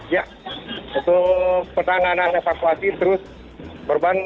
ya untuk pertanganan evakuasi terus berban